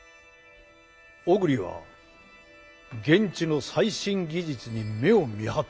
小栗は現地の最新技術に目をみはった。